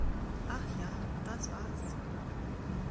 Ach ja, das war's!